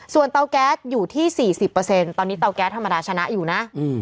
ส่วนเตาแก๊สอยู่ที่๔๐ตอนนี้เตาแก๊สธรรมดาชนะอยู่นะ